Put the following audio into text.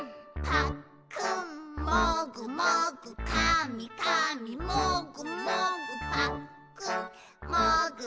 「ぱっくんもぐもぐ」「かみかみもぐもぐ」